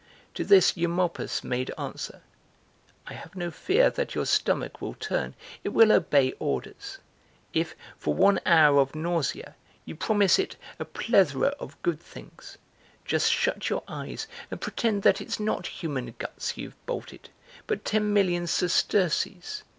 To this, Eumolpus made answer:) "I have no fear that your stomach will turn, it will obey orders; if, for one hour of nausea you promise it a plethora of good things: just shut your eyes and pretend that it's not human guts you've bolted, but ten million sesterces!